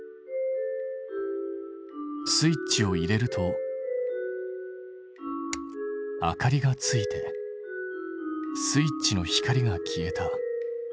スイッチを入れると明かりがついてスイッチの光が消えた。